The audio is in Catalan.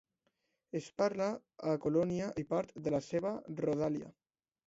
Es parla a Colònia i part de la seva rodalia.